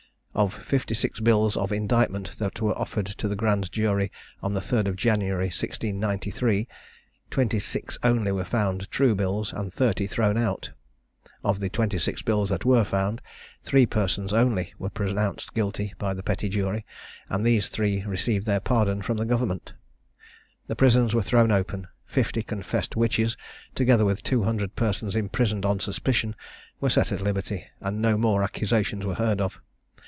Of fifty six bills of indictment that were offered to the grand jury on the 3rd of January, 1693, twenty six only were found true bills, and thirty thrown out. On the twenty six bills that were found, three persons only were pronounced guilty by the petty jury, and these three received their pardon from the government. The prisons were thrown open; fifty confessed witches, together with two hundred persons imprisoned on suspicion, were set at liberty, and no more accusations were heard of.